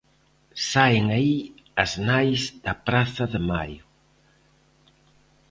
Saen aí as Nais da Praza de Maio.